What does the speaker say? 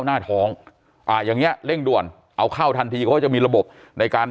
หน้าท้องอ่ายังไงเร่งด่วนเอาเข้าแทนพีก็จะมีระบบในการ